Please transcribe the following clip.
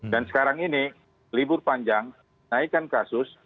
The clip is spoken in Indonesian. dan sekarang ini libur panjang naikan kasus